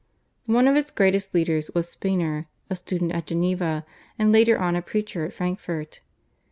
One of its greatest leaders was Spener, a student at Geneva, and later on a preacher at Frankfurt.